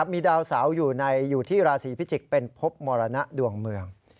มีดาวเสาอยู่ที่ราศีพิจิกษ์เป็นพบมรณะดวงเมือง